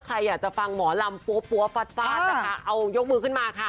ใครอยากจะฟังหมอลำปั๊วฟาดฟาดนะคะเอายกมือขึ้นมาค่ะ